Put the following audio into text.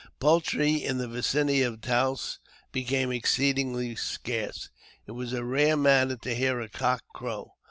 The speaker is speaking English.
Poultry in the vicinity of Taos became exceeding scarce : it was a rare matter to hear a cock crow.